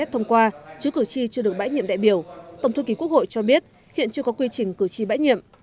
tổng thư ký quốc hội nguyễn hạnh phúc cho biết hiện chưa có quy trình cử tri bãi nhiệm